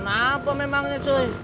apa memangnya cuy